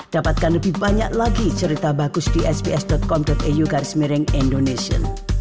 dapatkan lebih banyak lagi cerita bagus di sps com eu garis miring indonesia